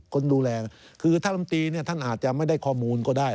คนดูแลคือท่านลำตีเนี่ยท่านอาจจะไม่ได้ข้อมูลก็ได้